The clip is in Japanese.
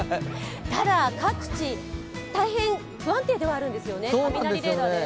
ただ、各地、大変、不安定ではあるんですよね、雷レーダーです。